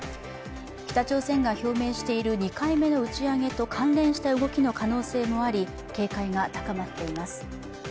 北朝鮮が表明している２回目の打ち上げと関連した動きの可能性もあり警戒が高まっています。